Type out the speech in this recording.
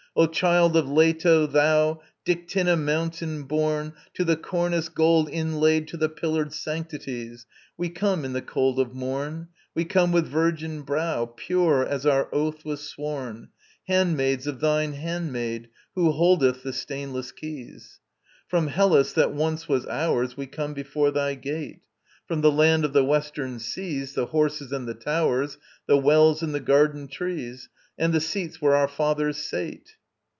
O Child of Leto, thou, Dictynna mountain born, To the cornice gold inlaid To the pillared sanctities, We come in the cold of morn, We come with virgin brow, Pure as our oath was sworn, Handmaids of thine handmaid Who holdeth the stainless keys, From Hellas, that once was ours, We come before thy gate, From the land of the western seas, The horses and the towers, The wells and the garden trees, And the seats where our fathers sate.